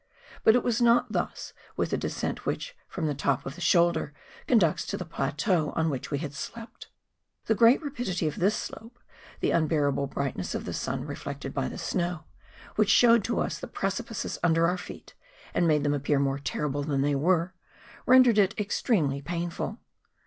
But it was not thus with the descent which, from the top of the shoulder, conducts to the plateau on which we had slept. The great rapidity of this slope, the unbearable brightness of the sun reflected by the snow, which showed to us the pre¬ cipices under our feet, and made them appear more terrible than they were, rendered it extremely pain¬ ful.